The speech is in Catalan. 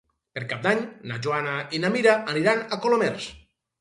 Per Cap d'Any na Joana i na Mira aniran a Colomers.